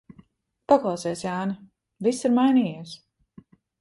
Paklausies, Jāni, viss ir mainījies.